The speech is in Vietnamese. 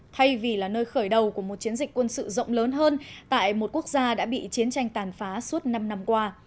thay vì là nơi khởi đầu của một chiến dịch quân sự rộng lớn hơn tại một quốc gia đã bị chiến tranh tàn phá suốt năm năm qua